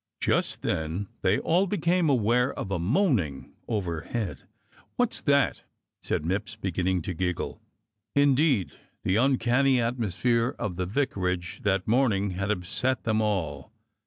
Just then they all became aware of a moaning over head. "What's that?" said Mipps, beginning to giggle. Indeed the uncanny atmosphere of the vicarage that morning had upset them all.